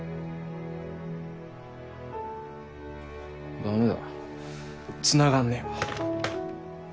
ダメだつながんねえわ。